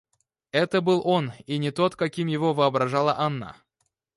Это был он, и не тот, каким его воображала Анна.